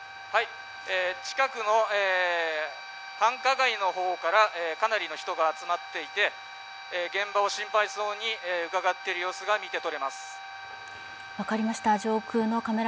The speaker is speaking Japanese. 近くの繁華街の方からかなりの人が集まっていて、現場を心配そうにうかがっている様子が見てとれます。